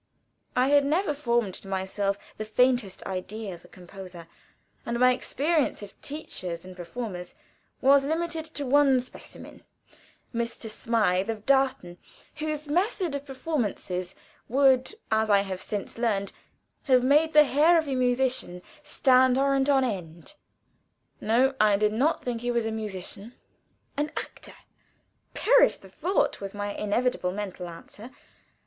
I had never formed to myself the faintest idea of a composer, and my experience of teachers and performers was limited to one specimen Mr. Smythe, of Darton, whose method and performances would, as I have since learned, have made the hair of a musician stand horrent on end. No I did not think he was a musician. An actor? Perish the thought, was my inevitable mental answer.